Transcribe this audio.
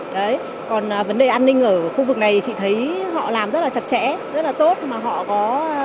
đấy còn vấn đề an ninh ở khu vực này thì chị thấy họ làm rất là chặt chẽ rất là tốt mà họ có